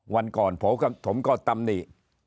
วันก่อนผมก็ตำหนิ